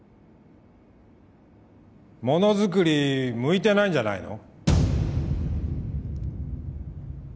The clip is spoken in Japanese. モノづくり向いてないんじゃないの？